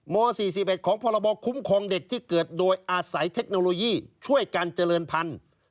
ม๔๑ของพรบคุ้มครองเด็กที่เกิดโดยอาศัยเทคโนโลยีช่วยการเจริญพันธุ์